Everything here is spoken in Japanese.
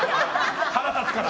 腹立つから。